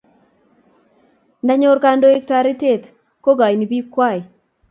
Ndanyor kandoik taretet ko kaini piik kwai